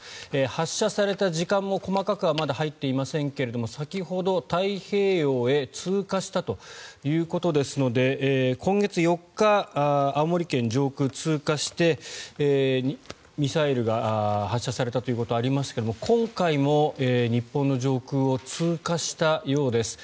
発射された時間も細かくはまだ入っていませんが先ほど太平洋へ通過したということですので今月４日、青森県上空を通過してミサイルが発射されたということがありましたが今回も日本の上空を通過したようです。